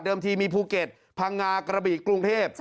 เดิมที่มีภูเก็ตพังงากระบิกรุงเทพฯ